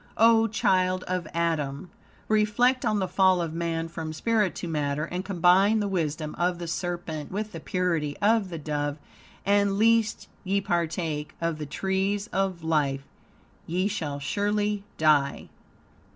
O child of Adam! Reflect on the fall of man from spirit to matter, and combine the wisdom of the serpent with the purity of the dove, and "lest ye partake of the tree of life ye shall surely die."